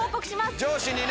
上司にね。